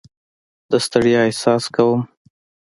د ستړیا احساس کوم.